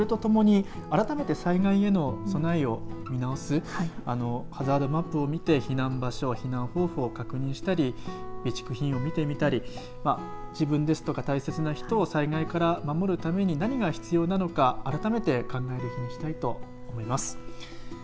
それとともに改めて災害への備えを見直すハザードマップを見て避難場所避難方法を確認したり備蓄品を見てみたりと自分ですとか、大切な人を災害から守るために何が必要なのか改めて考える日にしたいと思います。